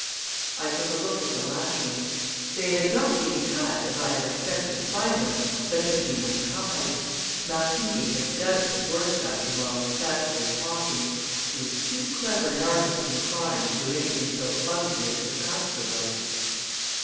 I took a look at the lashings. They had not been cut, as I expected to find them, but had been untied. Martigny had doubtless worked at them while we sat there talking he was too clever an artist in crime to do anything so clumsy as to cut the ropes.